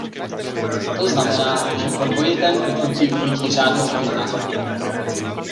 To znamená, že po dvojitém kliknutí uvidí řádnou objednávku.